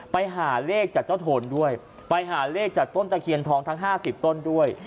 ไปหาเลขจากเจ้าโทนด้วยไปหาเลขจากต้นตะเคียนทองทั้ง๕๐ต้นด้วย